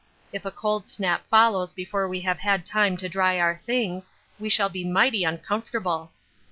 If a cold snap follows before we have had time to dry our things, we shall be mighty uncomfortable.